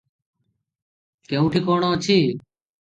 କେଉଁଠି କଣ ଅଛି?